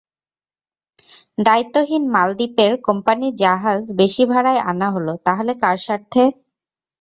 দায়িত্বহীন মালদ্বীপের কোম্পানির জাহাজ বেশি ভাড়ায় আনা হলো তাহলে কার স্বার্থে?